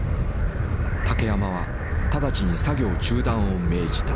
竹山は直ちに作業中断を命じた。